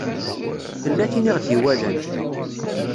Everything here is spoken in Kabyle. Tella tin i ɣ-d-iwalan.